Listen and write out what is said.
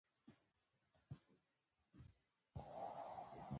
د افغانستان د شاته پاتې والي یو ستر عامل د پوهانو د فرار دی.